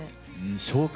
消化